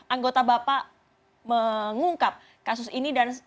anggota bapak mengungkap kasus ini dan